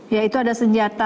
ya itu ada senjata